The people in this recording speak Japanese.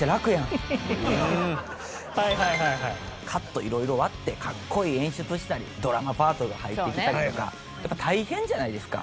カット色々割ってかっこいい演出したりドラマパートが入ってきたりとかやっぱ大変じゃないですか。